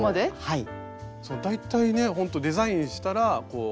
はい。